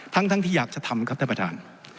ทั้งที่อยากจะทำครับท่านประธาน